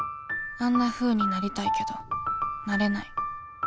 あんなふうになりたいけどなれない